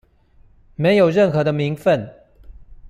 沒有任何的名份